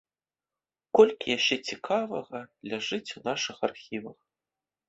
Колькі яшчэ цікавага ляжыць у нашых архівах.